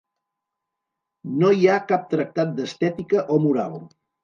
No hi ha cap tractat d'estètica o moral.